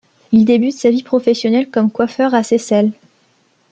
Il débute sa vie professionnelle comme coiffeur à Seyssel.